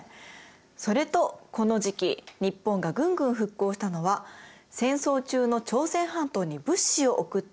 それとこの時期日本がぐんぐん復興したのは戦争中の朝鮮半島に物資を送っていたからなんです。